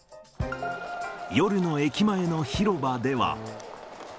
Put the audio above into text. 夜の駅前の広場では。